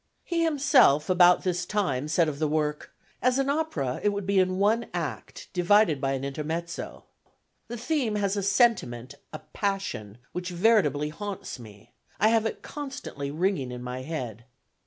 He himself about this time said of the work: "As an opera, it would be in one act divided by an intermezzo. The theme has a sentiment, a passion which veritably haunts me. I have it constantly ringing in my head."